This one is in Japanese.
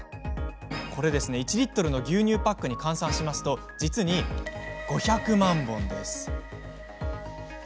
１リットルの牛乳パックに換算すると、実に５００万本です。